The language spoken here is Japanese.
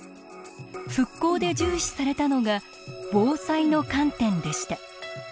復興で重視されたのが防災の観点でした。